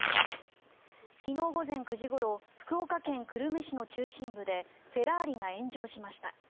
昨日午前９時ごろ福岡県久留米市の中心部でフェラーリが炎上しました。